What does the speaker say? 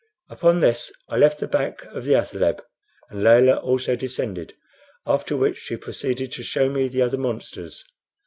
Upon this I left the back of the athaleb, and Layelah also descended, after which she proceeded to show me the other monsters.